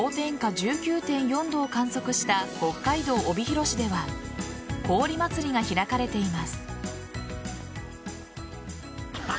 １９．４度を観測した北海道帯広市では氷まつりが開かれています。